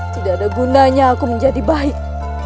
tidak ada gunanya aku menjadi baik